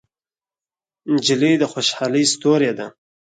نجلۍ د خوشحالۍ ستورې ده.